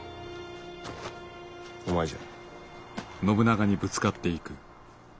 お前じゃ。